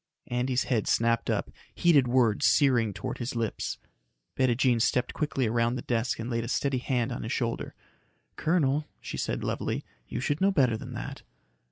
Andy's head snapped up, heated words searing towards his lips. Bettijean stepped quickly around the desk and laid a steady hand on his shoulder. "Colonel," she said levelly, "you should know better than that."